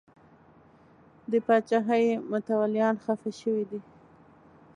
د پاچاهۍ متولیان خفه شوي دي.